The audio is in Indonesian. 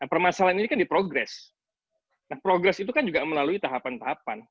nah permasalahan ini kan di progres nah progres itu kan juga melalui tahapan tahapan